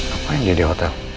apa yang dia di hotel